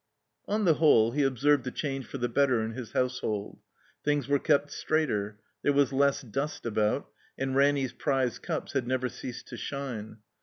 On the whole, he observed a change for the better in his household. Things were kept straighter. There was less dust about, and Ranny's prize cups had never ceased to shine.